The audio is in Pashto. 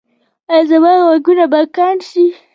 ایا زما غوږونه به کڼ شي؟